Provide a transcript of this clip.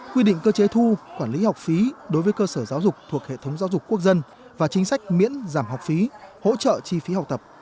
quy định cơ chế thu quản lý học phí đối với cơ sở giáo dục thuộc hệ thống giáo dục quốc dân và chính sách miễn giảm học phí hỗ trợ chi phí học tập